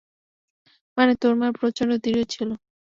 মানে তোর মা প্রচন্ড দৃঢ় ছিল।